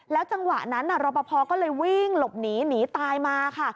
จังหวะนั้นรอปภก็เลยวิ่งหลบหนีหนีตายมาค่ะ